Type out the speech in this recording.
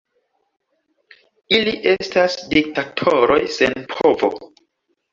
Ili estas diktatoroj sen povo.